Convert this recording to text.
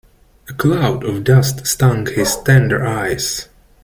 A cloud of dust stung his tender eyes.